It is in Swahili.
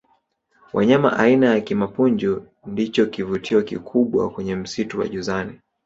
wanyama aina ya kimapunju ndicho kivutio kikubwa kwenye msitu wa jozani